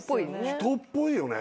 人っぽいよね。